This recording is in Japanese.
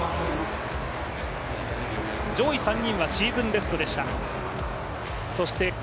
上位３人はシーズンベストでした。